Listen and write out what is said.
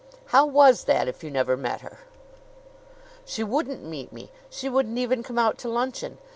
"How was that if you never met her?" "She wouldn't meet me. She wouldn't even come out to luncheon.